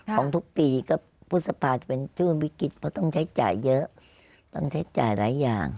ของทุกปีก็พฤษภาจะเป็นช่วงวิกฤตเพราะต้องใช้จ่ายเยอะต้องใช้จ่ายหลายอย่าง